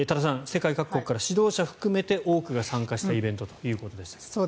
世界各国から指導者含めて多くが参加したイベントということでしたけど。